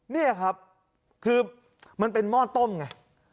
นี่ครับคือมันเป็นหม้อต้มไง